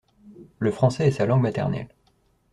Le français est sa langue maternelle.